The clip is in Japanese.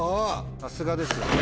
さすがですよね